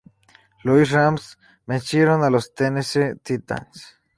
Louis Rams vencieron a los Tennessee Titans.